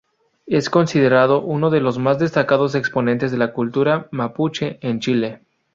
Es considerado uno de los más destacados exponentes de la cultura mapuche en Chile.